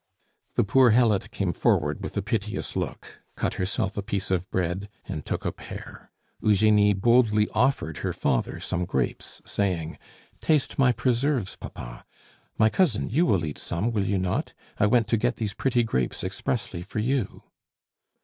The poor helot came forward with a piteous look, cut herself a piece of bread, and took a pear. Eugenie boldly offered her father some grapes, saying, "Taste my preserves, papa. My cousin, you will eat some, will you not? I went to get these pretty grapes expressly for you."